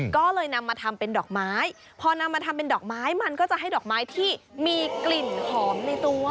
ก็เลยนำมาทำเป็นดอกไม้พอนำมาทำเป็นดอกไม้มันก็จะให้ดอกไม้ที่มีกลิ่นหอมในตัว